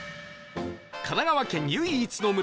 神奈川県唯一の村